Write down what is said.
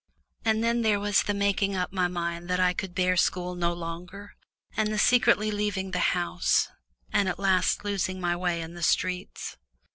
And then there was the making up my mind that I could bear school no longer, and the secretly leaving the house, and at last losing my way in the streets.